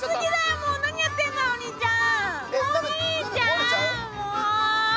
もうお兄ちゃん！